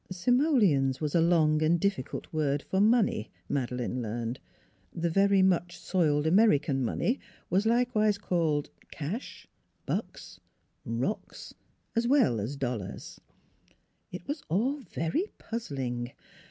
Simoleons " was a long and difficult word for money, Madeleine learned; the very much soiled American money was likewise called 2 6o NEIGHBORS " cash," " bucks," " rocks," as well as dollairs. It was all very puzzling.